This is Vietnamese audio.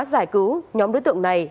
giải cứu nhóm đối tượng này